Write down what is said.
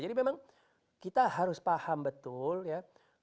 jadi memang kita harus paham betul ya